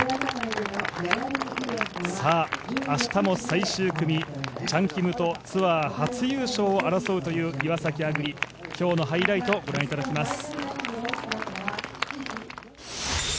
明日も最終組、チャン・キムとツアー初優勝を争うという岩崎亜久竜、今日のハイライトをご覧いただきます。